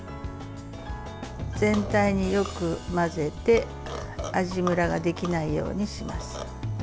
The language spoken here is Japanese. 全体によく混ぜて味むらができないようにします。